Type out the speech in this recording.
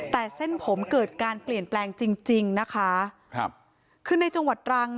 แต่เส้นผมเกิดการเปลี่ยนแปลงจริงนะคะ